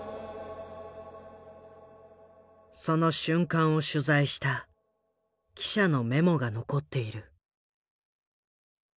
その瞬間を取材した記者のメモが残っている。